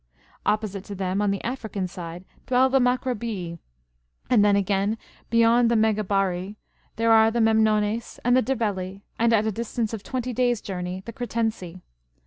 Opposite to them, on the African side, dwell the Macrobii,^^ and then again, beyond the jVIegabarri, there are the Memnones and the Dabeli, and, at a distance of twentj' days' journey, the Critensi.